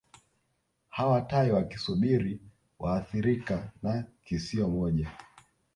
Hawa tai wakisubiri waathirika na kisio moja